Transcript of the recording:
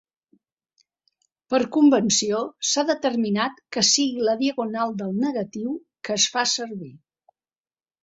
Per convenció s'ha determinat que sigui la diagonal del negatiu que es fa servir.